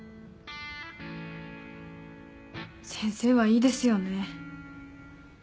先生はいいですよね。